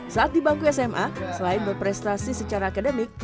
saat di bangku sma selain berprestasi secara akademik